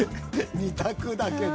二択だけど。